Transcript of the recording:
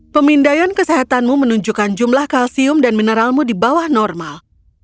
pemindaian kesehatanmu menunjukkan jumlah kalsium dan mineralmu di bawah normal